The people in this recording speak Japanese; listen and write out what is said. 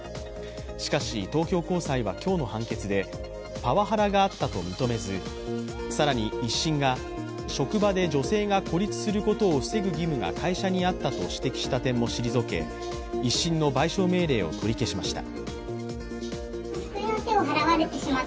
しかし、東京高裁は今日の判決で、パワハラがあったと認めず、更に１審が、職場で女性が孤立することを防ぐ義務が会社にあったと指摘した点も退け１審の賠償命令を取り消しました。